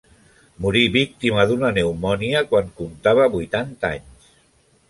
Morí víctima d'una pneumònia quan contava vuitanta anys.